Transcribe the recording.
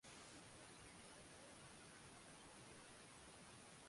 tukiachana na atp world tour finals